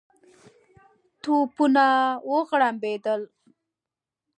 توپونه وغړمبېدل.